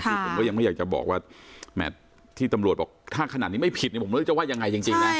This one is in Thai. คือผมก็ยังไม่อยากจะบอกว่าแมทที่ตำรวจบอกถ้าขนาดนี้ไม่ผิดผมไม่รู้จะว่ายังไงจริงนะ